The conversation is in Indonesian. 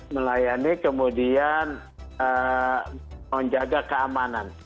melayani kemudian menjaga keamanan